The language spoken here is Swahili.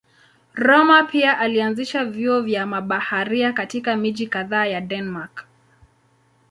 Rømer pia alianzisha vyuo kwa mabaharia katika miji kadhaa ya Denmark.